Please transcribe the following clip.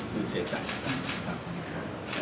คือเสียใจนะครับ